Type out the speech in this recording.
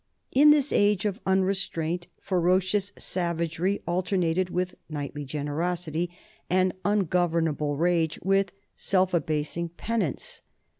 In this age of unrestraint, ferocious savagery alternated with knightly generosity, and ungovernable rage with self abasing penance.